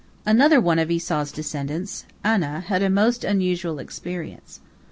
Another one of Esau's descendants, Anah, had a most unusual experience.